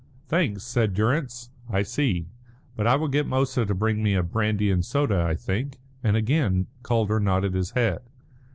"Thanks," said Durrance. "I see, but I will get Moussa to bring me a brandy and soda, I think," and again Calder nodded his head.